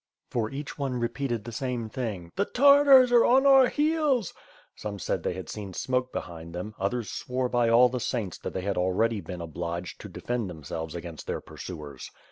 For each one repeated the same thing, "the Tartars are on our heels!" Some said they had seen smoke behind them; others swore by all the saints that they had already been obliged to defend themselves against their pursuers.